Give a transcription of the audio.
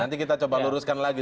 nanti kita coba luruskan lagi